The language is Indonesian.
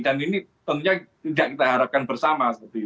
dan ini tentunya tidak kita harapkan bersama